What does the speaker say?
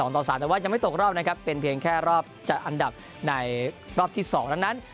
ต่อ๓แต่ว่ายังไม่ตกรอบนะครับเป็นเพียงแค่รอบจัดอันดับในรอบที่๒นั้น